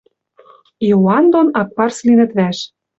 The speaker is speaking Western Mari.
Иоанн дон Акпарс линӹт вӓш.